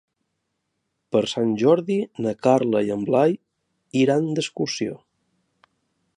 Per Sant Jordi na Carla i en Blai iran d'excursió.